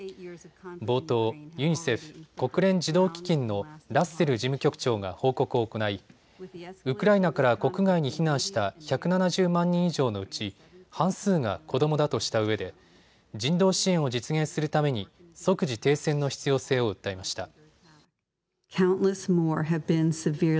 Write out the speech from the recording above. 冒頭、ユニセフ・国連児童基金のラッセル事務局長が報告を行いウクライナから国外に避難した１７０万人以上のうち半数が子どもだとしたうえで人道支援を実現するために即時停戦の必要性を訴えました。